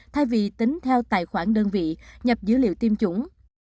thay vì tính theo tài khoản đơn vị nhập dữ liệu tiêm chủng